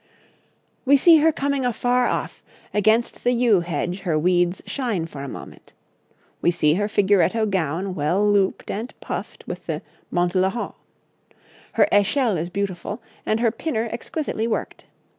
'We see her coming afar off; against the yew hedge her weeds shine for a moment. We see her figuretto gown well looped and puffed with the monte la haut. Her échelle is beautiful, and her pinner exquisitely worked.